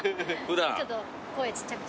ちょっと声ちっちゃく。